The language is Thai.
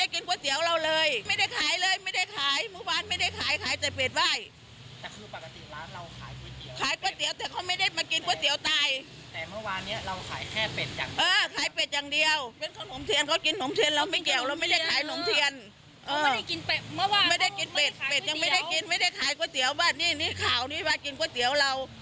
ก๋วยเตี๋ยวบ้านนี่นี่ข่าวนี่บ้านกินก๋วยเตี๋ยวเรา